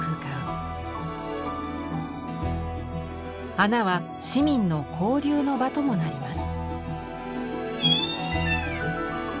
孔は市民の交流の場ともなります。